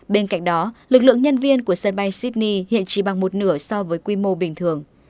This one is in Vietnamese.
bên cạnh đó lực lượng nhân viên của sân bay sydney hiện chỉ bằng một nửa so với quy mô bình thường